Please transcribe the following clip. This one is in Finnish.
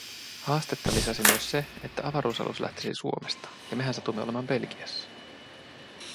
Haastetta lisäsi myös se, että avaruusalus lähtisi Suomesta, ja mehän satuimme olemaan Belgiassa.